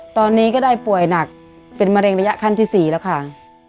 ตอนนี้ก็ได้ป่วยหนักเป็นมะเร็งระยะขั้นที่๔แล้วค่ะ